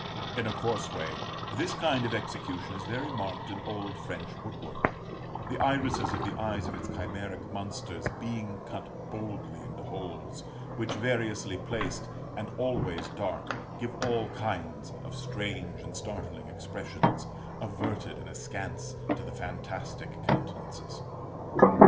In a coarse way, this kind of execution is very marked in old French woodwork; the irises of the eyes of its chimeric monsters being cut boldly into holes, which, variously placed, and always dark, give all kinds of strange and startling expressions, averted and askance, to the fantastic countenances.